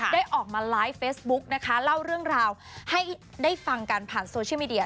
ได้ออกมาไลฟ์เฟซบุ๊กนะคะเล่าเรื่องราวให้ได้ฟังกันผ่านโซเชียลมีเดีย